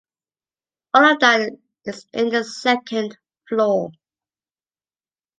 All of that is in the second floor.